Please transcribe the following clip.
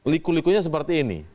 liku likunya seperti ini